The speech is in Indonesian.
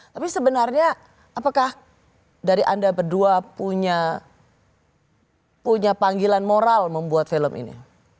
tapi sebenarnya apakah dari anda berdua punya panggilan moral membuat film ini